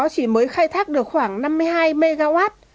chỉ mới khai thác được khoảng năm mươi hai mw